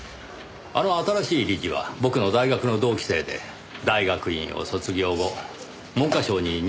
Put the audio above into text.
あの新しい理事は僕の大学の同期生で大学院を卒業後文科省に入省した男でした。